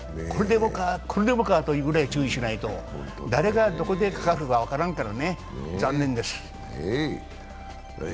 これでもか、これでもかというぐらい注意しないと、誰がどこでかかるか分からんからね、残念です。